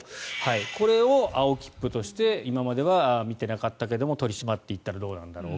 これを青切符として今までは見てなかったけれども取り締まっていったらどうなんだろう。